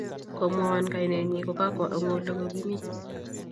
Komwowan kainet nyin kokakwo eng ole kokimi